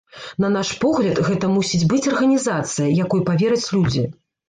На наш погляд, гэта мусіць быць арганізацыя, якой павераць людзі.